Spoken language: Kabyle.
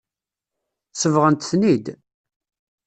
Sebɣent-ten-id.